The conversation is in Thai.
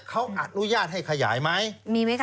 เขาอนุญาตให้ขยายไหม